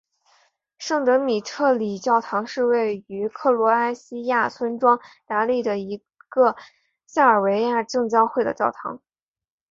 圣德米特里教堂是位于克罗埃西亚村庄达利的一个塞尔维亚正教会的教堂。